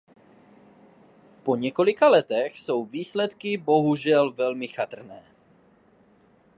Po několika letech jsou výsledky bohužel velmi chatrné.